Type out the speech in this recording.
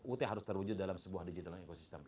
ut harus terwujud dalam sebuah digital ecosystem